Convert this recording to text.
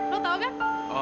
lo tahu nggak